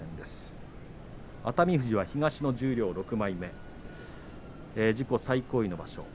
富士は東の十両６枚目自己最高位の場所。